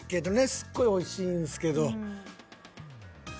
すっごいおいしいんですけど。